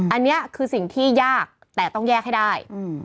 อันนี้คือสิ่งที่ยากแต่ต้องแยกให้ได้